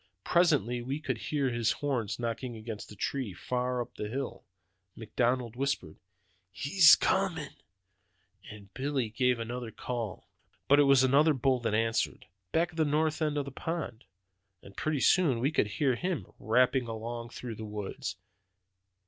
Presently we could hear his horns knock against the trees, far up on the hill. McDonald whispered, 'He's comin',' and Billy gave another call. "But it was another bull that answered, back of the north end of the pond, and pretty soon we could hear him rapping along through the woods.